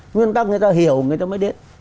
nguyên tắc người ta hiểu người ta mới đến